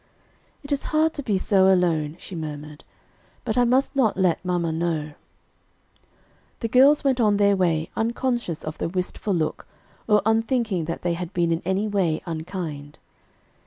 "It is hard to be so alone," she murmured, "but I must not let mamma know." The girls went on their way, unconscious of the wistful look, or unthinking that they had been in any way unkind.